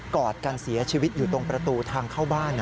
อดกันเสียชีวิตอยู่ตรงประตูทางเข้าบ้าน